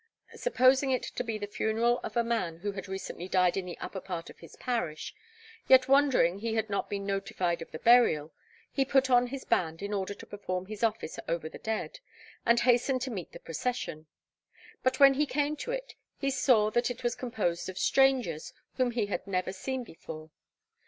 Supposing it to be the funeral of a man who had recently died in the upper part of his parish, yet wondering he had not been notified of the burial, he put on his band in order to perform his office over the dead, and hastened to meet the procession. But when he came to it he saw that it was composed of strangers, whom he had never seen before.